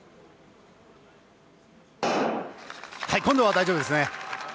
今度は大丈夫ですね。